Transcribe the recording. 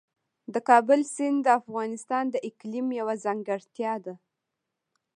د کابل سیند د افغانستان د اقلیم یوه ځانګړتیا ده.